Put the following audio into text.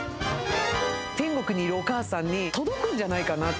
天国にいるお母さんに届くんじゃないかな。